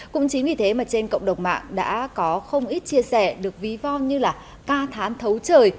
cũng chính vì thế mà trên cộng đồng mạng đã có không ít chia sẻ được ví vong như là ca thán thấu trời